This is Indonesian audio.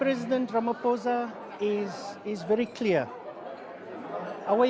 presiden ramaphosa sangat jelas